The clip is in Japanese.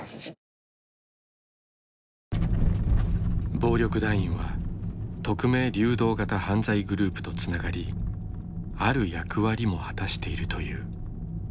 暴力団員は匿名・流動型犯罪グループとつながりある役割も果たしているという。